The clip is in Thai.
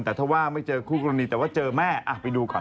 แต่ถ้าว่าไม่เจอคู่กรณีแต่ว่าเจอแม่ไปดูก่อน